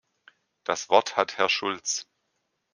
Das Wort hat Herr Schulz.